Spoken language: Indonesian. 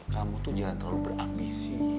kamu tuh jangan terlalu berambisi